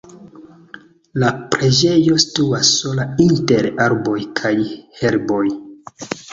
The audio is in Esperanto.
La preĝejo situas sola inter arboj kaj herboj.